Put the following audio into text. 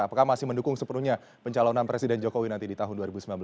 apakah masih mendukung sepenuhnya pencalonan presiden jokowi nanti di tahun dua ribu sembilan belas